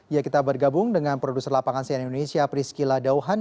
ya kita bergabung dengan produser lapangan siaran indonesia prisky ladauhan